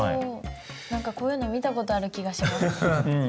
何かこういうの見たことある気がします。